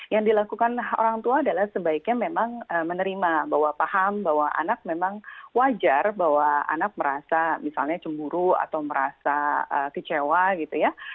yang dilakukan orang tua adalah sebaiknya memang menerima bahwa paham bahwa anak memang wajar bahwa anak merasa misalnya cemburu atau merasa kecewa gitu ya